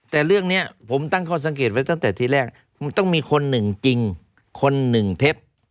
แต่เรื่องนี้ผมตั้งข้อสังเกตไว้ตั้งแต่ที่แรกมันต้องมีคนหนึ่งจริงคนหนึ่งเท็จ